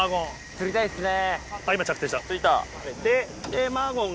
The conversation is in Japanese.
釣りたいっすね。